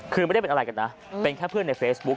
คือไม่ได้เป็นอะไรกันนะเป็นแค่เพื่อนในเฟซบุ๊ค